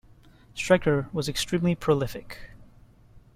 Striker was extremely prolific.